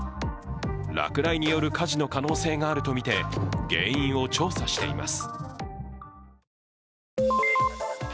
落雷による火事の可能性があるとみて原因を調査しています。